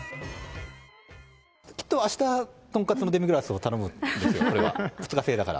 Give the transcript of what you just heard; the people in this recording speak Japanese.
きっとあした、とんかつのデミグラスを頼むんですよ、２日制だから。